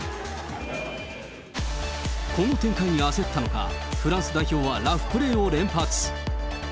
この展開に焦ったのか、フランス代表はラフプレーを連発。